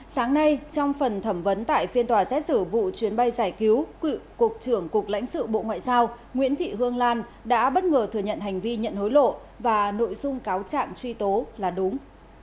sáng nay trong phần thẩm vấn tại phiên tòa xét xử vụ chuyến bay giải cứu cựu cục trưởng cục lãnh sự bộ ngoại giao nguyễn thị hương lan đã bất ngờ thừa nhận hành vi nhận hối lộ và nội dung cáo trạng truy tố là đúng